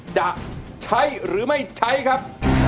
จะใช้หรือไม่ใช้ครับ